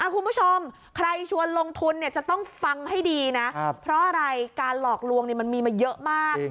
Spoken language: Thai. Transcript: คุณผู้ชมใครชวนลงทุนเนี่ยจะต้องฟังให้ดีนะเพราะอะไรการหลอกลวงมันมีมาเยอะมาก